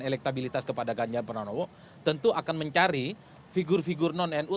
elektabilitas kepada ganjar pranowo tentu akan mencari figur figur non nu